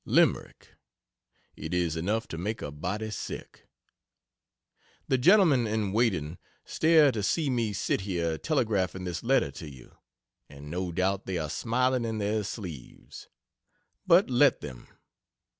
Limerick! It is enough to make a body sick. The gentlemen in waiting stare to see me sit here telegraphing this letter to you, and no doubt they are smiling in their sleeves. But let them!